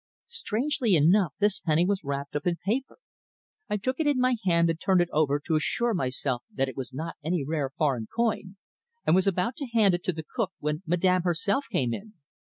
Strangely enough, this penny was wrapped up in paper. I took it in my hand and turned it over to assure myself that it was not any rare foreign coin, and was about to hand it to the cook when Madame herself came in.